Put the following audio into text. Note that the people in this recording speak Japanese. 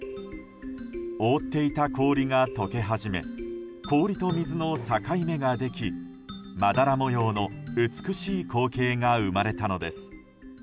覆っていた氷が解け始め氷と水の境目ができまだら模様の美しい光景が生まれたのです。